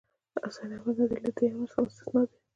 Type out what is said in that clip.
حسين احمد مدني له دې امر څخه مستثنی دی.